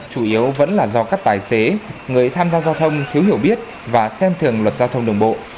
chủ yếu vẫn là do các tài xế người tham gia giao thông thiếu hiểu biết và xem thường luật giao thông đường bộ